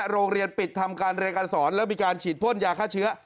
โรงเรียนปิดทำการเรียนการสอนแล้วมีการฉีดพ่นยาฆ่าเชื้อ